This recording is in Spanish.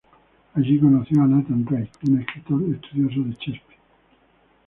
Allí conoció a Nathan Drake, un escritor estudioso de Shakespeare.